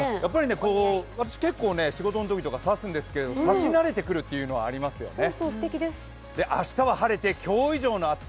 私、結構、仕事のときとかさすんですけど、差しなれてくるっていうのはありますよね。